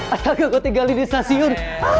asal gak kutegali di stasiun